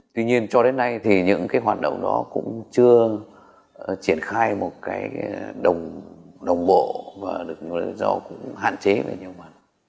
tuy nhiên cho đến nay những hoạt động đó cũng chưa triển khai một đồng bộ và được hạn chế về nhiều mặt